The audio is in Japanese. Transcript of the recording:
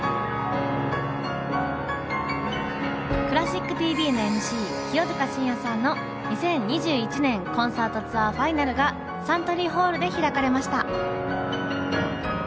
クラシックＴＶのＭＣ清塚信也さんの２０２１年コンサートツアーファイナルがサントリーホールで開かれました。